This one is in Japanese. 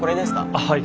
あっはい。